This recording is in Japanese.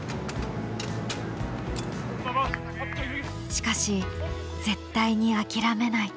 しかし絶対に諦めない。